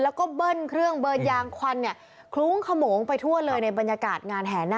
แล้วก็เบิ้ลเครื่องเบิ้ลยางควันเนี่ยคลุ้งขโมงไปทั่วเลยในบรรยากาศงานแห่หน้า